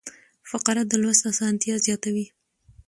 فقره د لوست اسانتیا زیاتوي.